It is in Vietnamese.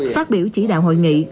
phát biểu chỉ đạo hội nghị